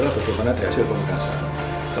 bagaimana ada hasil pemegang saham